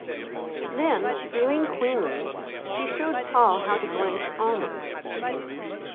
Then, feeling queenly, she showed Paul how to blanch almonds.